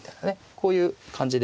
こういう感じで。